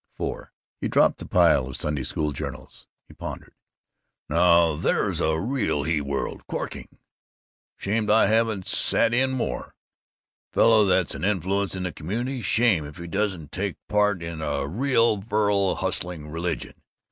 IV He dropped the pile of Sunday School journals. He pondered, "Now, there's a real he world. Corking! "Ashamed I haven't sat in more. Fellow that's an influence in the community shame if he doesn't take part in a real virile hustling religion.